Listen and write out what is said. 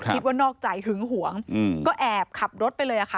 นอกใจหึงหวงก็แอบขับรถไปเลยค่ะ